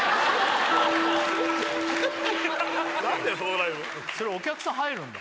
何だよそのライブそれお客さん入るんだ？